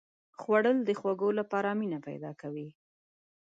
خوړل د خوږو لپاره مینه پیدا کوي